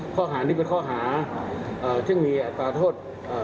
ข้อหานี้เป็นข้อหาซึ่งมีอัตราโทษ